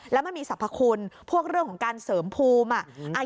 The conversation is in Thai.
แล้วมันมีสรรพคุณพวกเรื่องของการเสริมภูมิ